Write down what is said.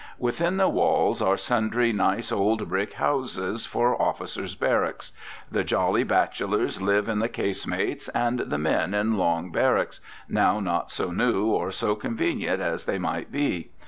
Within the walls are sundry nice old brick houses for officers' barracks. The jolly bachelors live in the casemates and the men in long barracks, now not so new or so convenient as they might be.